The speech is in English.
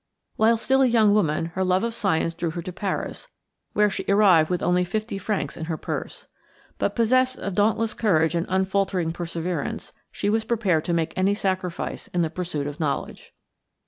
While still a young woman, her love of science drew her to Paris, where she arrived with only fifty francs in her purse. But, possessed of dauntless courage and unfaltering perseverance, she was prepared to make any sacrifice in the pursuit of knowledge.